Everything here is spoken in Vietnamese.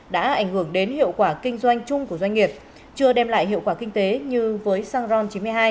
đã ảnh hưởng đến hiệu quả kinh doanh chung của doanh nghiệp chưa đem lại hiệu quả kinh tế như với xăng ron chín mươi hai